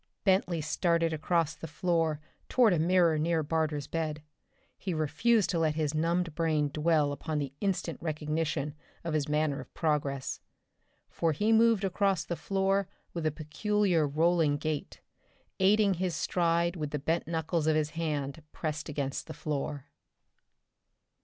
Bentley started across the floor toward a mirror near Barter's bed. He refused to let his numbed brain dwell upon the instant recognition of his manner of progress. For he moved across the floor with a peculiar rolling gait, aiding his stride with the bent knuckles of his hands pressed against the floor.